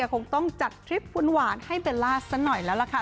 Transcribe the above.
ก็รวมจัดทริปหวานให้เวลาซะหน่อยแล้วแหละค่ะ